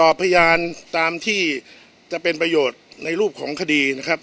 พยานตามที่จะเป็นประโยชน์ในรูปของคดีนะครับ